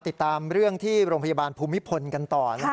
ติดตามเรื่องที่โรงพยาบาลภูมิพลกันต่อ